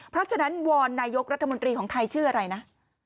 เพราะฉะนั้นวอนนายกรัฐมนตรีของไทยชื่ออะไรนะ